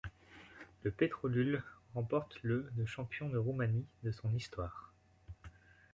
Le Petrolul remporte le de champion de Roumanie de son histoire.